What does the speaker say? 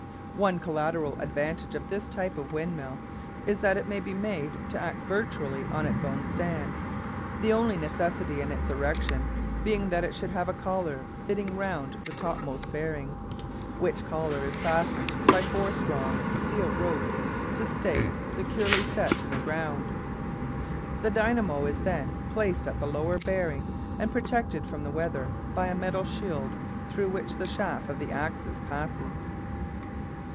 One collateral advantage of this type of windmill is that it may be made to act virtually as its own stand, the only necessity in its erection being that it should have a collar fitting round the topmost bearing, which collar is fastened by four strong steel ropes to stakes securely set in the ground. The dynamo is then placed at the lower bearing and protected from the weather by a metal shield through which the shaft of the axis passes.